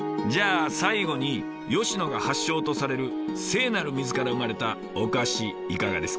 じゃあ最後に吉野が発祥とされる聖なる水から生まれたお菓子いかがですか？